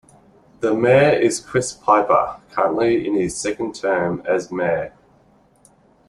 The Mayor is Chris Pieper, currently in his second term as mayor.